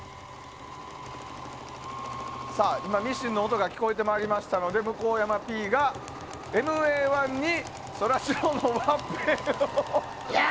今、ミシンの音が聞こえてまいりましたので向山ＰがＭＡ‐１にそらジローのワッペンを。